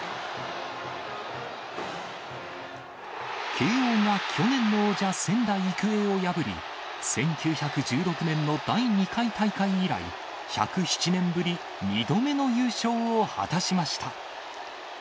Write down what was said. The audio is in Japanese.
慶応が去年の王者、仙台育英を破り、１９１６年の第２回大会以来、１０７年ぶり、２度目の優勝を果たしました。